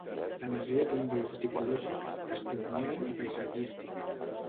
La masia té un valor tipològic, testimonial i paisatgístic.